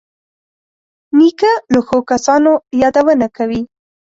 نیکه له ښو کسانو یادونه کوي.